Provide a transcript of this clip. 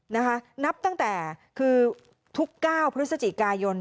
นับตั้งแต่คือทุก๙พฤศจิกายน